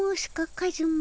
カズマ。